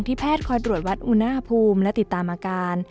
แพทย์คอยตรวจวัดอุณหภูมิและติดตามอาการ